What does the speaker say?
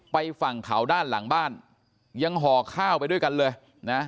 ฝั่งเขาด้านหลังบ้านยังห่อข้าวไปด้วยกันเลยนะ